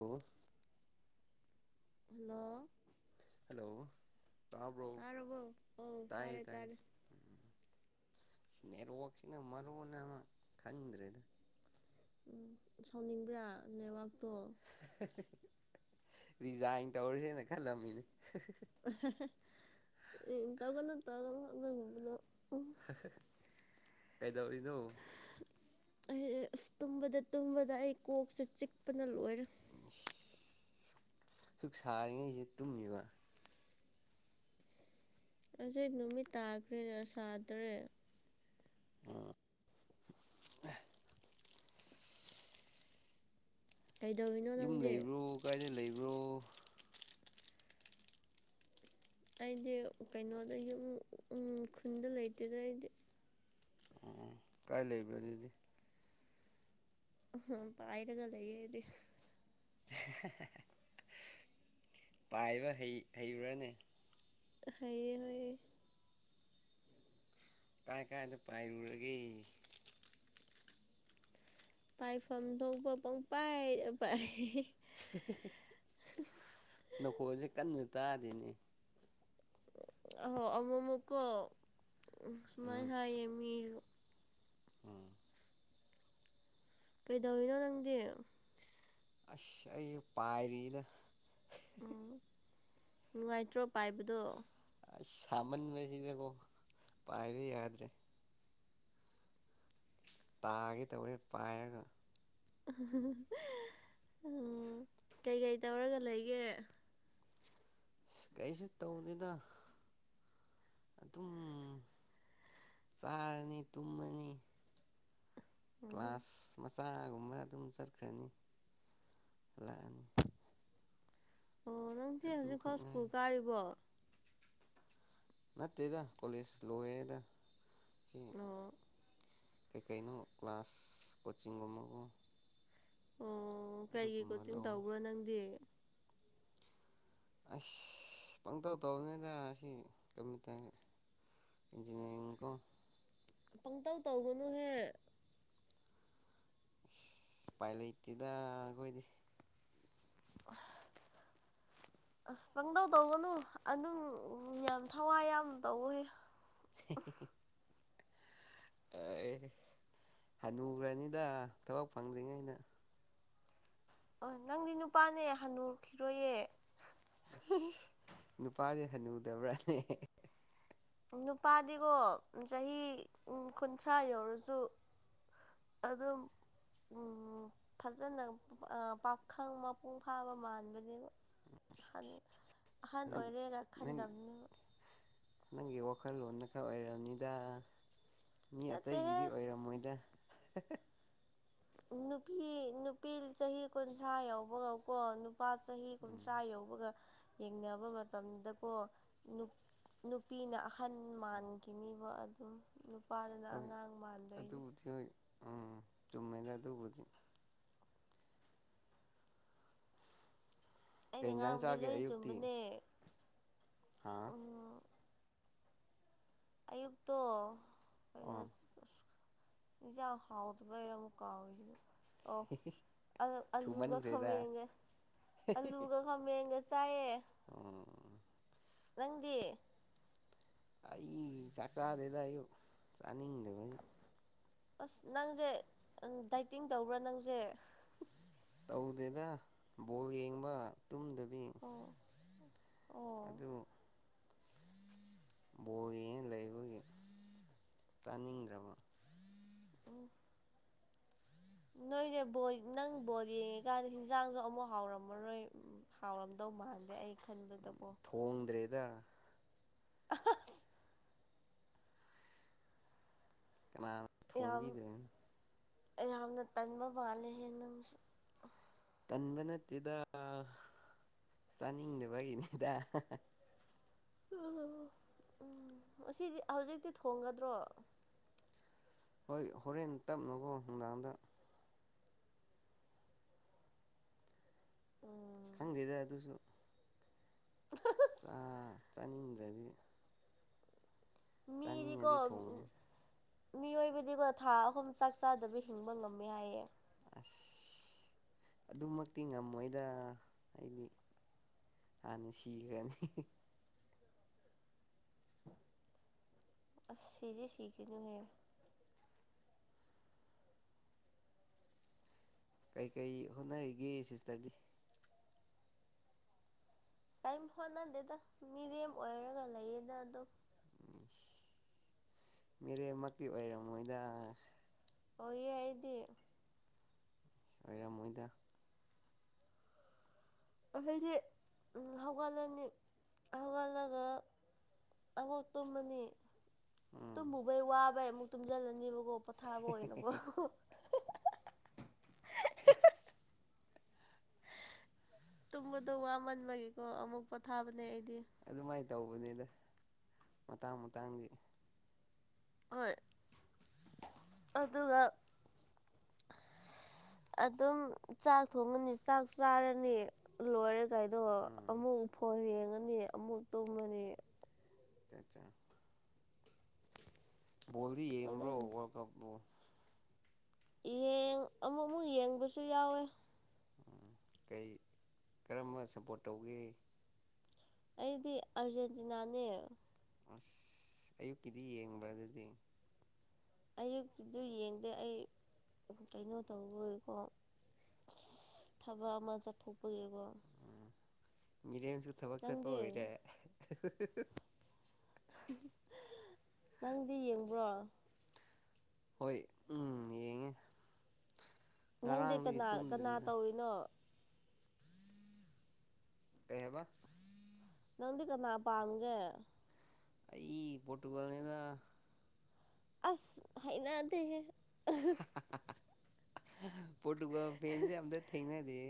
ꯑꯣ hello hello ꯇꯥꯕ꯭ꯔꯣ ꯑꯧ ꯇꯥꯏ ꯇꯥꯔꯦ ꯇꯥꯏ ꯇꯥꯔꯦ ꯅꯦꯠꯋꯥꯛꯁꯤꯅ ꯃꯔꯨꯅ ꯈꯟꯗ꯭ꯔꯦꯗ ꯁꯥꯎꯅꯤꯡꯕ꯭ꯔꯥ ꯅ ꯔꯤꯖꯥꯏꯟ ꯇꯧꯔꯁꯦꯅ ꯈꯜꯂꯝꯃꯤꯅꯦ ꯇꯧꯕꯅ ꯇꯥꯅꯕꯅ ꯀꯩꯗꯧꯔꯤꯅꯣ ꯑꯩ ꯑ ꯇꯨꯝꯕꯗ ꯇꯨꯝꯕꯗ ꯑꯩ ꯀꯣꯛꯁꯦ ꯆꯤꯛꯄꯅ ꯂꯣꯏꯔꯦ ꯁꯨꯛ ꯁꯥꯔꯤꯉꯩꯁꯦ ꯇꯨꯝꯃꯤꯕ ꯑꯩꯁ ꯅꯨꯃꯤꯠ ꯇꯥꯈ꯭ꯔꯦꯅ ꯁꯥꯗ꯭ꯔꯦ ꯎꯝ ꯀꯩꯗꯧꯔꯤꯅꯣ ꯌꯨꯝ ꯅꯪꯗꯤ ꯂꯩꯕ꯭ꯔꯣ ꯀꯥꯏꯗ ꯂꯩꯕ꯭ꯔꯣ ꯑꯩꯗꯤ ꯀꯩꯅꯣꯗ ꯌꯨꯝ ꯈꯨꯟꯗ ꯂꯩꯇꯦꯗ ꯑꯩꯗꯤ ꯎꯝ ꯀꯥꯏ ꯂꯩꯕꯗꯤ ꯑ ꯄꯥꯏꯔꯒ ꯂꯩꯗꯤ ꯄꯥꯏꯕ ꯍꯩꯕꯨꯔꯅꯦ ꯍꯥꯏꯌꯦ ꯍꯌꯦ ꯀꯥꯏ ꯀꯥꯏꯗ ꯄꯥꯏꯔꯨꯔꯒꯦ ꯄꯥꯏꯐꯝ ꯊꯣꯛꯄ ꯄꯪꯄꯥꯏ ꯅꯈꯣꯜꯁꯦ ꯀꯟꯅ ꯇꯥꯔꯤꯅꯦ ꯑ ꯑꯃꯨꯛ ꯑꯃꯨꯛꯀꯣ ꯎꯝ ꯁꯨꯃꯥꯏꯅ ꯍꯥꯏꯌꯦ ꯃꯤꯁꯨ ꯎꯝ ꯀꯩꯗꯧꯔꯤꯤꯅꯣ ꯅꯪꯗꯤ ꯑꯁ ꯑꯩ ꯄꯔꯤꯅ ꯎꯝ ꯅꯨꯡꯉꯥꯏꯇ꯭ꯔꯣ ꯄꯥꯏꯕꯗꯣ ꯑꯁ ꯁꯥꯃꯟꯕꯁꯤꯗꯕꯨꯣ ꯄꯥꯏꯕ ꯌꯥꯗ꯭ꯔꯦ ꯇꯥꯒꯦ ꯇꯧꯔꯦ ꯄꯥꯏꯔꯒ ꯎꯝ ꯀꯩꯀꯩ ꯇꯧꯔꯒ ꯂꯩꯒꯦ ꯀꯩꯁꯨ ꯇꯧꯅꯤꯅ ꯑꯗꯨꯝ ꯆꯥꯔꯅꯤ ꯇꯨꯝꯃꯅꯤ ꯎꯝ ꯀ꯭ꯂꯥꯁ ꯆꯥꯒꯨꯝꯕ ꯑꯗꯨꯝ ꯆꯠꯈ꯭ꯔꯅꯤ ꯂꯥꯛꯑꯅꯤ ꯑꯣ ꯅꯪꯗꯤ ꯍꯧꯖꯤꯛꯐꯥꯎ ꯁ꯭ꯀꯨꯜ ꯉꯥꯏꯔꯦ ꯀꯥꯔꯤꯕꯣ ꯅꯠꯇꯦꯗ ꯀꯂꯁ ꯂꯋꯦꯗ ꯑꯣ ꯀꯩꯀꯩꯅꯣ ꯀ꯭ꯂꯥꯁ ꯀꯣꯆꯤꯡꯒꯨꯝꯕꯕꯨ ꯑꯣ ꯀꯩꯒꯤ ꯀꯣꯆꯤꯡ ꯂꯧꯔ ꯇꯧꯕ꯭ꯔꯣ ꯅꯪꯗꯤ ꯑꯁ ꯄꯪꯇꯧ ꯇꯧꯕꯅꯤꯅ ꯑꯁꯤ ꯀ ꯇꯦ ꯏꯟꯖꯤꯅꯤꯌꯥꯔꯤꯡ ꯀꯣ ꯄꯪꯇꯧ ꯇꯧꯒꯅꯨꯍꯦ ꯄꯥꯏ ꯂꯩ ꯏꯦꯗ ꯀꯣꯏꯗꯤ [unintelligible] ꯑꯁ ꯄꯪꯗꯧ ꯇꯧꯒꯅꯨ ꯑꯗꯨꯝ ꯌꯥꯝ ꯊꯋꯥꯏ ꯌꯥꯝ ꯇꯧ ꯍꯦ [inaudible] ꯑꯦ ꯍꯅꯨꯈ꯭ꯔꯅꯤꯗ ꯊꯕꯛ ꯐꯪꯗ꯭ꯔꯤꯉꯩꯩꯅ ꯑꯣ ꯅꯪꯗꯤ ꯅꯨꯄꯥꯅꯦ ꯍꯅꯔꯈꯤꯔꯣꯏꯌꯦ ꯅꯨꯄꯥꯁꯦ ꯍꯅꯨꯗꯕ꯭ꯔꯥꯅꯦ ꯅꯨꯄꯥꯗꯤꯀꯣ ꯆꯍꯤ ꯀꯨꯟꯊ꯭ꯔꯥ ꯌꯧꯔꯁꯨ ꯑꯗꯨꯝ ꯎꯝ ꯐꯖꯅ ꯄꯥꯈꯪ ꯃꯄꯨꯡ ꯐꯥꯕ ꯃꯥꯟꯕꯅꯦꯕ ꯑꯍꯟ ꯑꯣꯏꯔꯦꯅ ꯅꯪ ꯈꯟꯗꯝꯕꯅꯦꯕ ꯅꯪꯒꯤ ꯋꯥꯈꯜꯂꯣꯟꯅ ꯈꯔ ꯑꯣꯏꯔꯕꯔꯕꯅꯤꯗ ꯃꯤ ꯅꯠꯇꯦꯍꯦ ꯑꯇꯩꯒꯤꯗꯤ ꯑꯣꯏꯔꯝꯃꯣꯏꯗ [inaudible] ꯅꯨꯄꯤ ꯅꯨꯄꯤ ꯆꯍꯤ ꯀꯨꯟꯊ꯭ꯔꯥ ꯌꯥꯎꯕ ꯉꯧꯀꯣ ꯅꯨꯄꯥ ꯆꯍꯤ ꯎꯝ ꯀꯨꯟꯊ꯭ꯔꯥ ꯌꯧꯕꯒ ꯌꯦꯡꯅꯕ ꯃꯇꯝꯗꯀꯣ ꯅꯨꯄꯤꯅ ꯑꯍꯟ ꯃꯥꯟꯈꯤꯅꯤꯕ ꯑꯗꯨꯝ ꯅꯤꯄꯥꯥ ꯗꯨꯅ ꯍꯣꯏ ꯑꯉꯥꯡ ꯃꯥꯟꯗꯣꯏꯅꯦ ꯑꯗꯨꯕꯨꯗꯤ ꯍꯣꯏ ꯎꯝ ꯆꯨꯝꯃꯦꯗ ꯑꯗꯨꯕꯨꯗꯤ ꯀꯩ ꯑꯩꯅ ꯌꯦꯟꯖꯥꯡ ꯉꯥꯡꯕꯗꯤ ꯂꯣꯏ ꯆꯨꯝꯕꯅꯦ ꯍꯥꯥ ꯑꯌꯨꯛ ꯇꯣ ꯀꯩꯅꯣ ꯑꯣ ꯍꯦꯟꯁꯥꯡ ꯍꯥꯎꯇꯥꯕꯩꯔꯥ ꯑꯃꯨꯛ ꯀꯥꯎꯔꯦ ꯑꯣ ꯑꯂꯨꯒ ꯊꯨꯃꯟꯈ꯭ꯔꯦꯗ ꯈꯥꯝꯃꯦꯟꯒ ꯑꯂꯨꯒ ꯈꯥꯃꯦꯟꯒ ꯆꯥꯏꯌꯦ ꯑꯣ ꯅꯪꯗꯤ ꯑꯩ ꯆꯥꯛ ꯆꯥꯗꯦꯗ ꯑꯌꯨꯛ ꯆꯥꯅꯤꯡꯗꯦꯕ ꯑꯁ ꯅꯪꯁꯦ ꯗꯥꯏꯇꯤꯡ ꯇꯧꯕ꯭ꯔꯥ ꯅꯪꯁꯦ ꯍꯧꯗꯦꯗ ꯕꯥꯜ ꯌꯦꯡꯕ ꯇꯨꯝꯗꯕꯤ ꯑꯣ ꯑꯣ ꯑꯗꯨ ꯕꯣꯜ ꯌꯦꯡ ꯂꯩꯕꯒꯤ ꯆꯥꯅꯤꯡꯗ꯭ꯔꯕ ꯑꯗꯨ ꯅꯣꯏꯅꯥ ꯕꯥꯜ ꯅꯪ ꯕꯣꯜ ꯌꯦꯡꯂꯤꯀꯥꯟꯗ ꯍꯤꯟꯖꯥꯡꯁꯨ ꯑꯃꯨꯛ ꯍꯥꯎꯔꯝꯃꯔꯣꯏ ꯍꯥꯎꯔꯝꯗꯧ ꯃꯗ ꯎ ꯊꯣꯡꯗ꯭ꯔꯦꯗ ꯑ ꯀꯅꯥꯅ ꯌꯥꯝ ꯊꯣꯡꯕꯤꯗꯣꯏꯅꯣ ꯌꯥꯝꯅ ꯇꯟꯕ ꯃꯥꯥꯜꯂꯦ ꯍꯦ ꯅꯪꯁꯨ ꯇꯟꯕ ꯅꯠꯇꯦꯗ ꯆꯥꯅꯤꯡꯗꯕꯒꯤꯅꯦꯗ ꯎ ꯎꯝ ꯉꯥꯁꯤꯗꯤ ꯍꯧꯖꯤꯛꯇꯤ ꯊꯣꯡꯒꯗ꯭ꯔꯣ ꯍꯣꯏ ꯍꯣꯔꯦꯟ ꯇꯞꯅꯨꯀꯣ ꯅꯨꯡꯗꯥꯡꯗ ꯑꯣ ꯈꯪꯗꯦꯗ ꯑꯗꯨꯁꯨ ꯆ ꯆꯥꯅꯤꯡꯗ꯭ꯔꯗꯤ ꯃꯤꯗꯤꯀꯣ ꯆꯥꯅꯤꯡꯉꯗꯤ ꯊꯣꯡꯉꯦ ꯃꯤꯑꯣꯏꯕꯗꯤꯀꯣ ꯊꯥ ꯑꯍꯨꯝ ꯆꯥꯛ ꯆꯥꯗꯕꯤ ꯍꯤꯡꯕ ꯉꯝꯃꯦ ꯍꯥꯏꯌꯦ ꯑꯗꯨꯃꯛꯇꯤ ꯉꯝꯃꯣꯏꯗ ꯍꯥꯏꯗꯤ ꯑꯩꯗꯤ ꯁꯤꯒꯔꯥꯅꯤ ꯑꯁ ꯁꯤꯗꯤ ꯁꯤꯈꯤꯅꯨꯍꯦ ꯀꯩ ꯀꯩ ꯍꯣꯠꯅꯔꯤꯒꯦ ꯁꯤꯁꯇꯔꯗꯤ ꯀꯦꯝ ꯍꯣꯠꯅꯗꯦꯗ ꯃꯤꯔꯝ ꯑꯣꯏꯔꯒ ꯂꯩꯌꯦꯗ ꯑꯗꯨꯝ ꯎ ꯃꯤꯔꯦꯝ ꯃꯛꯇꯤ ꯑꯣꯏꯔꯝꯃꯣꯏꯗ ꯑꯣꯏꯌꯦ ꯑꯩꯗꯤ ꯑꯣꯏꯔꯝꯃꯣꯏꯗ ꯑꯩꯈꯣꯏꯗꯤ ꯍꯧꯒꯠꯂꯅꯤ ꯍꯧꯒꯠꯂꯒ ꯑꯃꯨꯛ ꯇꯨꯝꯃꯥꯅꯤ ꯎꯝ ꯇꯨꯝꯃꯨꯕꯩ ꯋꯥꯕꯩ ꯑꯃꯨꯛ ꯇꯨꯝꯁꯤꯜꯂꯅꯤꯕꯀꯣ ꯄꯣꯊꯥꯕ ꯑꯣꯏꯅꯀꯣ ꯇꯨꯝꯕꯗꯣ ꯋꯥꯃꯟꯕꯒꯤꯀꯣ ꯑꯃꯨꯛ ꯄꯣꯊꯥꯕꯅꯦ ꯑꯩ ꯑꯗꯨꯃꯥꯏꯅ ꯇꯧꯕꯅꯤꯗ ꯃꯇꯥꯡ ꯃꯇꯥꯡꯒꯤ ꯍꯣꯏ ꯑꯗꯨꯒ ꯑꯗꯨꯝ ꯆꯥꯛ ꯊꯣꯡꯉꯅꯤ ꯆꯥꯛ ꯆꯥꯔꯅꯤ ꯂꯣꯏꯔꯒ ꯀꯥꯏꯗꯣ ꯎꯝ ꯑꯃꯨꯛ ꯐꯣꯟ ꯌꯦꯡꯉꯅꯤ ꯑꯃꯨꯛ ꯇꯨꯝꯃꯅꯤ ꯆꯥ ꯕꯣꯜ ꯗꯤ ꯌꯦꯡ ꯕꯔꯣ ꯑꯗꯨꯝ ꯋꯥꯔ ꯀꯞꯕꯨ ꯌꯦꯡ ꯑꯃꯨꯛ ꯑꯃꯨꯛ ꯌꯦꯡꯕꯁꯨ ꯌꯥꯎꯋꯦ ꯎꯝ ꯀꯩ ꯀꯔꯝꯕ ꯁꯞꯄꯣꯔꯠ ꯇꯧꯒꯦ ꯑꯩꯗꯤ ꯑꯥꯔꯖꯦꯟꯇꯤꯅꯥꯅꯦ ꯑꯁ ꯑꯌꯨꯛꯀꯤꯗꯤ ꯌꯦꯡꯕ꯭ꯔꯥ ꯑꯗꯨꯗꯤ ꯑꯌꯨꯛꯀꯤꯗꯨ ꯌꯦꯡꯗꯦ ꯑꯩ ꯀꯩꯅꯣ ꯇꯧꯈꯣꯏꯀꯣ ꯊꯕꯛ ꯑꯃ ꯆꯠꯊꯣꯛꯄꯒꯤꯕꯣ ꯔꯦꯝꯦꯝꯁꯨ ꯊꯕꯛ ꯆꯠꯄ ꯅꯪꯗꯤ ꯑꯣꯏꯔꯦ ꯅꯪꯗꯤ ꯌꯦꯡꯕ꯭ꯔꯣ ꯍꯣꯏ ꯎꯝ ꯌꯦꯡꯉꯦ ꯅꯪꯗꯤ ꯉꯔꯥꯡꯗꯒꯤ ꯀꯅꯥ ꯀꯅꯥ ꯇꯨꯝꯗ꯭ꯔꯤꯗ ꯇꯧꯔꯤꯅꯣ ꯀꯩ ꯍꯥꯏꯦꯕ ꯅꯪꯗꯤ ꯀꯅꯥ ꯄꯥꯝꯒ ꯑꯩ ꯄꯣꯇꯨꯒꯜꯅꯤꯗ ꯑꯁ ꯍꯥꯏꯅꯗꯦ ꯐꯣ ꯇꯨꯒ ꯐꯦꯟꯁꯦ ꯑꯗ ꯊꯦꯡꯅꯗꯤ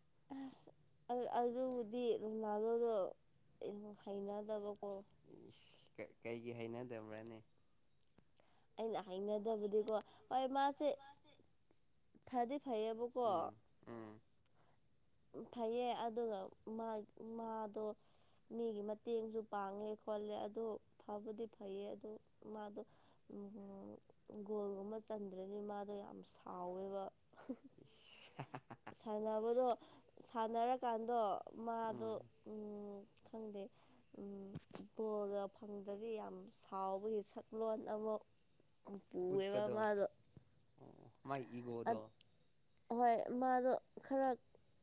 [inaudible] ꯑꯗꯨꯕꯨꯗꯤꯍꯥꯗꯣꯗꯣ ꯍꯩꯅꯗꯕꯀꯣ ꯀꯩꯒꯤ ꯍꯩꯅꯗꯕ꯭ꯔꯅꯤ ꯑꯩꯅ ꯍꯥꯏꯩꯅꯗꯕꯗꯤꯀꯣ ꯍꯣꯏ ꯃꯥꯁꯦ ꯐꯗꯤ ꯐꯩꯌꯦꯕꯀꯣ ꯎꯝ ꯎꯝ ꯐꯩꯌꯦ ꯑꯗꯨꯒ ꯃꯥꯗꯣ ꯃꯤꯒꯤ ꯃꯇꯦꯡꯁꯨ ꯄꯥꯡꯉꯦ ꯈꯣꯜꯂꯦ ꯑꯗꯣ ꯐꯕꯨꯗꯤ ꯐꯩꯌꯦ ꯑꯗ ꯃꯥꯗꯣ ꯒꯣꯜꯒꯨꯝꯕ ꯆꯟꯗ꯭ꯔꯅꯤ ꯃꯥꯗꯣ ꯌꯥꯝ ꯁꯥꯎꯋꯦꯕ ꯁꯥꯟꯅꯕꯗꯣ ꯁꯥꯟꯅꯔꯀꯥꯟꯗꯣ ꯃꯥꯗꯣ ꯎꯝ ꯎ ꯈꯪꯗꯦ ꯐꯨꯠꯕꯣꯜꯒ ꯐꯪꯗ꯭ꯔꯗꯤ ꯌꯥꯝ ꯁꯥꯎꯕꯒꯤ ꯁꯛꯂꯣꯟ ꯑꯃ ꯄꯨꯑꯦꯕ ꯎꯠꯄꯗꯣ ꯃꯥꯗꯣ ꯃꯥꯏ ꯏꯒꯗꯣ ꯍꯣꯏ ꯃꯥꯗꯣ ꯈꯔ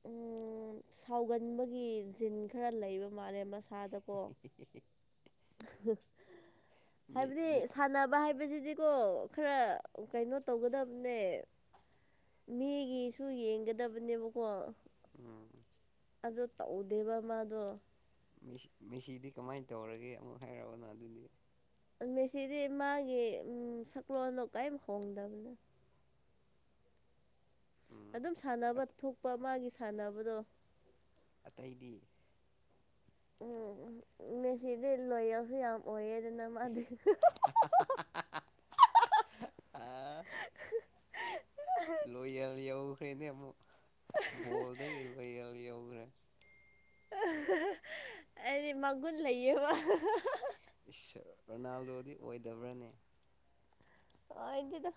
ꯎꯝ ꯁꯥꯎꯒꯟꯕꯒꯤ ꯖꯤꯟ ꯈꯔ ꯂꯩꯕ ꯃꯥꯜꯂꯦꯁ ꯏꯁꯥꯗꯀꯣ ꯃꯤ ꯍꯥꯏꯕꯗꯤ ꯃꯤ ꯁꯥꯟꯅꯕ ꯍꯥꯏꯕꯁꯤꯗꯤ ꯑꯗꯨꯗꯤꯀꯣ ꯈꯔ ꯀꯩꯅꯣ ꯇꯧꯒꯗꯕꯅꯦ ꯃꯤꯒꯤꯁꯨ ꯌꯦꯡꯒꯗꯕꯅꯦꯕꯀꯣ ꯎꯝ ꯑꯗꯣ ꯇꯧꯗꯦꯕ ꯃꯥꯗꯣ ꯁꯤ ꯃꯤꯦꯁꯤꯗꯤ ꯀꯃꯥꯏꯅ ꯇꯧꯔꯒꯦ ꯑꯃꯨꯛ ꯍꯥꯏꯛꯔꯕꯅꯣ ꯑꯗꯨꯗꯤ ꯃꯦꯁꯤꯗꯤ ꯃꯥꯒꯤ ꯁꯛꯂꯣꯟꯗꯣ ꯀꯔꯤꯝ ꯍꯣꯡꯗꯕꯅꯣ ꯎꯝ ꯑꯗꯨꯝ ꯁꯥꯟꯅꯕ ꯊꯣꯛꯄ ꯃꯥꯒꯤ ꯁꯥꯟꯅꯕꯗꯣ ꯑꯇꯩꯗꯤ ꯎꯝ ꯃꯁꯤꯗꯤ ꯂꯁꯤ ꯌꯥꯝ ꯑꯣꯏꯌꯦ ꯅꯗꯤ ꯑ [inaudible] ꯂꯣꯌꯦꯜ ꯌꯧꯈ꯭ꯔꯦꯅꯦ ꯑꯃꯨꯛ ꯕꯣꯜꯗꯒꯤ ꯂꯣꯌꯦꯜ ꯌꯧꯈ꯭ꯔꯦ ꯑꯩꯗꯤ ꯃꯒꯨꯟ ꯂꯩꯌꯦꯕ ꯔꯣꯅꯥꯜꯗꯣꯗꯤ ꯑꯣꯏꯗꯕ꯭ꯔꯥꯅꯦ ꯑ ꯏꯗꯤꯗ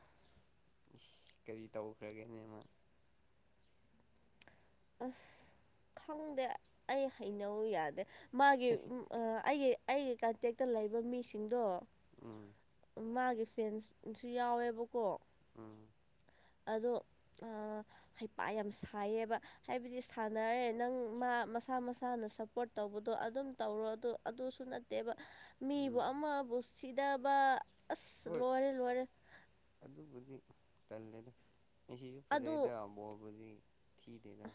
ꯀꯔꯤ ꯇꯧꯈ꯭ꯔꯒꯦꯅꯦꯃ ꯑꯁ ꯈꯪꯗꯦ ꯑꯩ ꯍꯩꯅꯧ ꯌꯥꯗꯦ ꯃꯥꯒꯤ ꯑꯩꯒꯤ ꯑꯩꯒꯤ ꯀꯟꯇꯦꯛꯇ ꯂꯩꯕ ꯃꯤꯁꯤꯡꯗꯣ ꯎꯝ ꯃꯥꯒꯤ ꯐꯦꯟꯁꯨ ꯌꯥꯎꯋꯦꯕꯀꯣ ꯎꯝ ꯑꯗꯣ ꯍꯩꯄꯥ ꯌꯥꯝ ꯁꯥꯏꯌꯦꯕ ꯍꯥꯏꯕꯗꯤ ꯁꯥꯟꯅꯔꯦ ꯅꯪ ꯃꯥ ꯃꯁꯥ ꯃꯁꯥꯅ ꯁꯞꯄꯣꯔꯠ ꯇꯧꯕꯗꯣ ꯑꯗꯨꯝ ꯇꯧꯔꯣ ꯑ ꯑꯗꯨꯁꯨ ꯅꯠꯇꯦꯕ ꯃꯤꯕꯨ ꯎꯝ ꯑꯃꯕꯨ ꯁꯤꯗꯕ ꯑꯁ ꯍꯣꯏ ꯂꯣꯏꯔꯦ ꯂꯣꯏꯔꯦ ꯑꯗꯨꯕꯨꯗꯤ ꯇꯜꯂꯦꯗ ꯉꯁꯤꯁꯨ ꯐꯖꯩꯗ ꯑꯗꯨ ꯕꯣꯜꯕꯨꯗꯤ ꯊꯤꯗꯦꯗ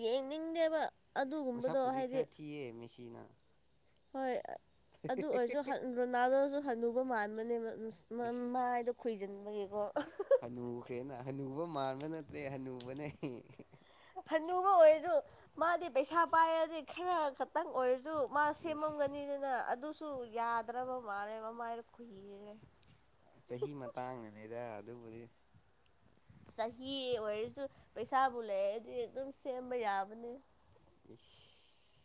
ꯌꯦꯡꯅꯤꯡꯗꯦꯕ ꯑꯗꯨꯒꯨꯝꯕꯗꯣ ꯍꯥꯏꯗꯤ ꯆꯅ [inaudible] ꯍꯣꯏ ꯑꯗꯨ ꯑꯣꯏꯔꯁꯨ ꯔꯣꯅꯥꯜꯗꯣꯁꯨ ꯍꯅꯨꯕ ꯃꯥꯟꯕꯅꯦꯕ ꯏꯁ ꯃꯥꯏꯗ ꯈꯣꯏꯖꯤꯟꯕꯒꯤ ꯍꯅꯨꯈ꯭ꯔꯦꯅ ꯍꯅꯨꯕ ꯃꯥꯟꯕ ꯅꯠꯇ꯭ꯔꯦ ꯍꯅꯨꯕꯅꯦ ꯍꯅꯨꯕ ꯑꯣꯏꯔꯁꯨ ꯃꯥꯗꯤ ꯄꯩꯁꯥ ꯄꯥꯏꯔꯗꯤ ꯈꯔ ꯈꯛꯇꯪ ꯑꯣꯏꯔꯁꯨ ꯃꯥ ꯏꯁ ꯁꯦꯝꯃꯝꯒꯅꯤꯗꯅ ꯑꯗꯨꯁꯨ ꯌꯥꯗ꯭ꯔꯕ ꯃꯥꯜꯂꯦ ꯃꯃꯥꯏꯗ ꯈꯨꯍꯤꯔꯦ ꯆꯍꯤ ꯃꯇꯥꯡꯗꯅꯅꯦꯗ ꯑꯗꯨꯕꯨꯗꯤ ꯆꯍꯤ ꯑꯣꯏꯔꯁꯨ ꯄꯩꯁꯥꯕꯨ ꯂꯩꯔꯗꯤ ꯑꯗꯨꯝ ꯁꯦꯝꯕ ꯌꯥꯕꯅꯦ ꯎ [inaudible]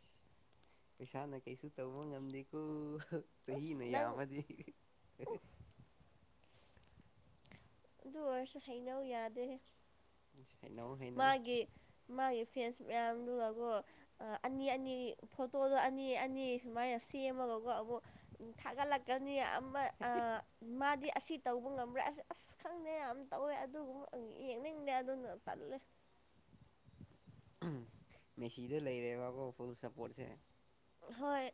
ꯄꯩꯁꯥꯅ ꯀꯩꯁꯨ ꯇꯧꯕ ꯉꯝꯗꯦꯀꯣ ꯑꯁ ꯆꯍꯤꯅ ꯅꯪ ꯌꯥꯝꯃꯗꯤ ꯑꯗꯨ ꯑꯣꯏꯔꯁꯨ ꯍꯩꯅꯧ ꯌꯥꯗꯦꯅꯦ ꯍꯩꯅꯧ ꯍꯩꯅꯧ ꯃꯥꯒꯤ ꯐ꯭ꯔꯦꯟꯁ ꯃꯌꯥꯝꯗꯨꯒ ꯀꯣ ꯑꯅꯤ ꯑꯅꯤ ꯐꯣꯇꯣꯗꯣ ꯑꯅꯤ ꯑꯅꯤ ꯁꯨꯃꯥꯏꯅ ꯁꯦꯝꯃꯒꯀꯣ ꯑꯃꯨꯛ ꯊꯥꯒꯠꯂꯛꯀꯅꯤ ꯃꯥꯗꯤ ꯑꯁꯤ ꯇꯧꯕ ꯉꯝꯕ꯭ꯔꯥ ꯑꯁ ꯑꯁ ꯈꯪꯗꯦ ꯌꯥꯝ ꯇꯧꯋꯦ ꯑꯗꯨꯒꯨꯝꯕ ꯌꯦꯡꯅꯤꯡꯗꯦ ꯑꯗꯨꯅ ꯇꯜꯂꯦ ꯃꯦꯁꯤꯗꯣ ꯂꯥꯏꯔꯦꯕ ꯀꯣ ꯐꯨꯜ ꯁꯄꯣꯠ ꯁꯦ ꯍꯣꯏ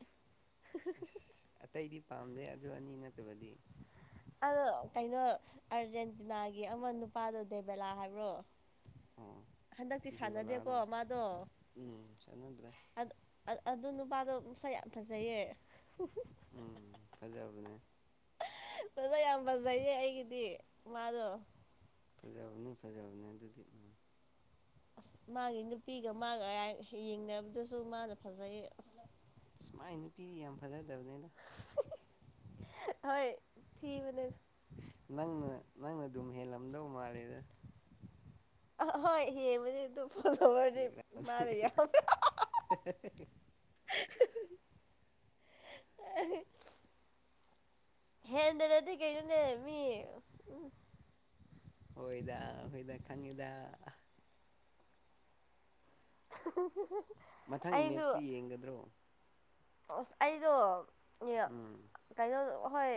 ꯑꯁ ꯑꯇꯩꯗꯤ ꯄꯥꯝꯗꯦ ꯑꯗꯨ ꯑꯅꯤ ꯅꯠꯇꯕꯗꯤ ꯑꯗꯣ ꯀꯩꯅꯣ ꯑꯥꯔꯖꯦꯟꯇꯤꯅꯥꯒꯤ ꯑꯃ ꯅꯨꯄꯥꯗꯣ ꯗꯦꯕꯦꯂꯥ ꯍꯥꯏꯕ꯭ꯔꯣ ꯑꯣ ꯍꯟꯗꯛꯇꯤ ꯁꯥꯟꯅꯗꯦꯀꯣ ꯗꯤꯕꯂꯥꯔꯣ ꯃꯥꯗꯣ ꯎꯝ ꯆꯥꯟꯅꯗ꯭ꯔꯦ ꯑꯗꯨ ꯅꯨꯄꯥꯗꯣ ꯃꯁꯥ ꯌꯥꯝ ꯐꯖꯩꯌꯦ ꯕꯅꯦ [inaudible] ꯃꯁꯥꯛ ꯌꯥꯝ ꯐꯖꯩꯌꯦ ꯑꯩꯒꯤꯗꯤ ꯃꯥꯗꯣ ꯐꯖꯕꯅꯤ ꯐꯖꯕꯅꯦ ꯑꯗꯨꯗꯤ ꯎꯝ ꯑꯁ ꯃꯥꯒꯤ ꯅꯨꯄꯤꯒ ꯃꯥꯒ ꯌꯦꯡꯅꯕꯗꯨꯁꯨ ꯃꯥꯅ ꯐꯖꯩ ꯑꯁ ꯁꯨꯃꯥꯏ ꯅꯨꯄꯤꯗꯤ ꯌꯥꯝ ꯐꯖꯗꯕꯅꯦꯗ ꯍꯣꯏ ꯊꯤꯕꯅꯦ ꯅꯪꯅ ꯅꯪꯅ ꯑꯗꯨꯝ ꯍꯦꯜꯂꯝꯗꯧ ꯃꯥꯜꯂꯦꯗ ꯍꯣꯏ ꯍꯦꯟꯕꯗꯤ ꯑꯗꯨꯝ ꯐꯣꯂꯣꯋꯥꯔ ꯗꯤ ꯍꯦꯜꯂꯝꯃꯗꯤ ꯃꯅꯥ ꯌꯝꯃꯦ ꯍꯦꯟꯗꯅꯗꯤ ꯀꯩꯅꯣꯅꯦ ꯃꯤ ꯎ ꯍꯣꯏꯗ ꯍꯣꯏꯗ ꯈꯪꯉꯤꯗ [inaudible] ꯃꯊꯪꯒꯤ ꯑꯩꯁꯨ ꯃꯦꯠꯁꯇꯤ ꯌꯦꯡꯒꯗ꯭ꯔꯣ ꯑꯩꯗꯣ ꯎꯝ ꯀꯩꯅꯣ ꯍꯣꯏ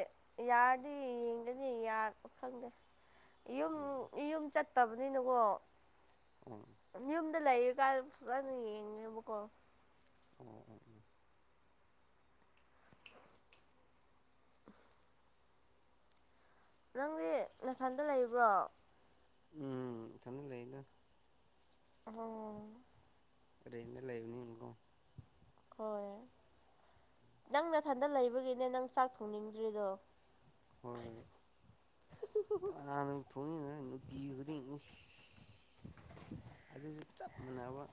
ꯌꯥꯔꯗꯤ ꯌꯦꯡꯒꯅꯤ ꯈꯪꯗꯦ ꯌꯨꯝ ꯎꯝ ꯌꯨꯝ ꯆꯠꯇꯕꯅꯤꯅꯀꯣ ꯑꯣ ꯌꯨꯝ ꯌꯨꯝꯗ ꯂꯩꯔꯤꯀꯥꯟ ꯐꯖꯅ ꯌꯦꯡꯉꯦꯕꯀꯣ ꯑꯣ ꯑꯣ ꯑꯣ ꯅꯪꯗꯤ ꯅꯊꯥꯟꯗ ꯂꯩꯕ꯭ꯔꯣ ꯎꯝ ꯏꯊꯥꯟꯗ ꯂꯩꯗ ꯑꯣ ꯂ꯭ꯌꯦꯟ ꯇꯥ ꯂꯩꯕꯅꯤꯅꯥ ꯀꯣ ꯍꯣꯏ ꯅꯪ ꯅꯊꯥꯟꯗ ꯂꯩꯕꯒꯤꯅꯦ ꯅꯪ ꯆꯥꯛ ꯊꯣꯡꯅꯤꯡꯗ꯭ꯔꯤꯗꯣ ꯍ ꯀꯥꯅ ꯊ ꯅꯨꯊ ꯑꯗꯨꯁꯨ ꯆꯞ ꯃꯥꯟꯅꯕ